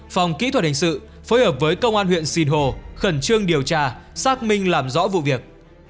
phòng kỹ thuật hình sự phối hợp với công an huyện sinh hồ khẩn trương điều tra xác minh làm rõ vụ việc